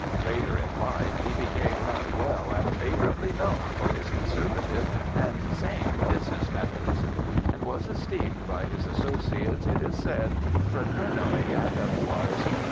Later in life, be became "well and favourably known for his conservative and sane business methods," and was esteemed by his associates, it is said, "fraternally and otherwise."